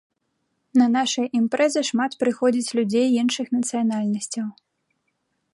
На нашыя імпрэзы шмат прыходзіць людзей іншых нацыянальнасцяў.